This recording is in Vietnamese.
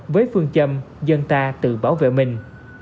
với phương châm dân ta tự bảo vệ mình